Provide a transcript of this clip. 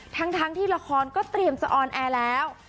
ทั้งที่ละครก็เตรียมจะออนแอร์แล้ว